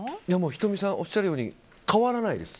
仁美さんおっしゃるように変わらないです。